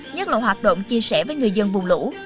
nhất là hoạt động chia sẻ với người dân vùng lũ